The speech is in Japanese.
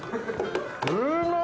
うまい！